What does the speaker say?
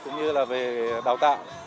cũng như là về đào tạo